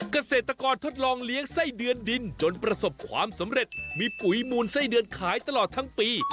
เกษตรกรทดลองเลี้ยงไส้เดือนดินจนประสบความสำเร็จมีปุ๋ยมูลไส้เดือนขายตลอดทั้งปี